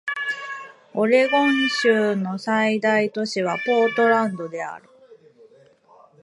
オレゴン州の最大都市はポートランドである